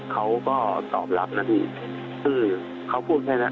เขาก็ตอบรับนะพี่เขาพูดให้นะ